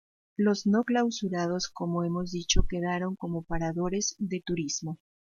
Los no clausurados como hemos dicho quedaron como Paradores de Turismo.